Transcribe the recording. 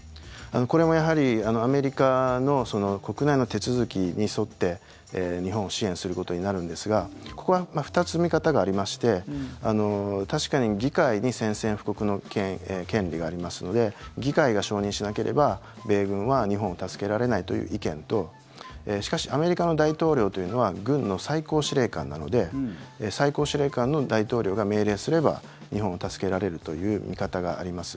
これもやはりアメリカの国内の手続きに沿って日本を支援することになるんですがここは２つ、見方がありまして確かに議会に宣戦布告の権利がありますので議会が承認しなければ、米軍は日本を助けられないという意見としかしアメリカの大統領というのは軍の最高司令官なので最高司令官の大統領が命令すれば日本を助けられるという見方があります。